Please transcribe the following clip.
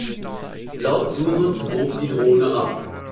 Laut surrend hob die Drohne ab.